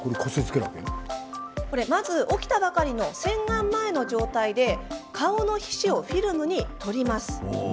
まず、起きたばかりの洗顔前の状態で顔の皮脂をフィルムに採ります。